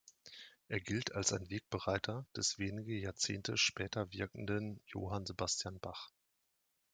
Er gilt als ein Wegbereiter des wenige Jahrzehnte später wirkenden Johann Sebastian Bach.